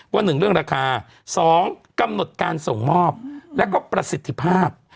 ว่า๑เรื่องราคา๒กำหนดการส่งมอบแล้วก็ประสิทธิภาพ